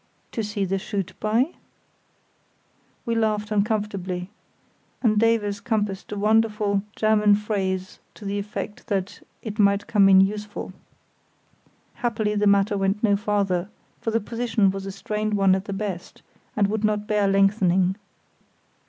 "To see to shoot by?" We laughed uncomfortably, and Davies compassed a wonderful German phrase to the effect that "it might come in useful". Happily the matter went no farther, for the position was a strained one at the best, and would not bear lengthening.